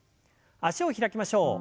脚を開きましょう。